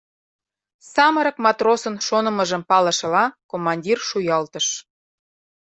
— Самырык матросын шонымыжым палышыла, командир шуялтыш.